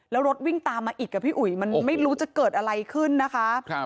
แล้วรถวิ่งตามมาอีกอ่ะพี่อุ๋ยมันไม่รู้จะเกิดอะไรขึ้นนะคะ